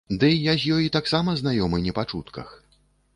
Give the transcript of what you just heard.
Дый я з ёй таксама знаёмы не па чутках.